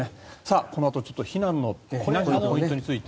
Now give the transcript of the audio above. このあと避難のポイントについて。